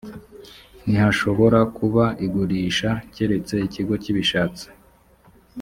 ntihashobora kuba igurisha keretse ikigo kibishatse